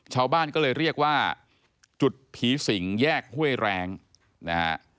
ชาวบ้านก็เลยเรียกว่าจุดผีสิงแยกห้วยแรงนะฮะ